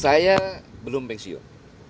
saya belum pensiun